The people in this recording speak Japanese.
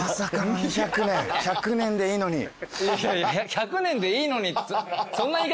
１００年でいいのに。